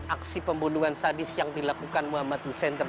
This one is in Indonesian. aksi pembunuhan sadis yang dilakukan muhammad hussein